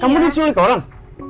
kamu diculik orang